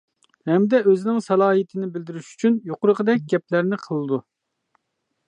ھەمدە ئۆزىنىڭ سالاھىيىتىنى بىلدۈرۈش ئۈچۈن يۇقىرىقىدەك گەپلەرنى قىلىدۇ.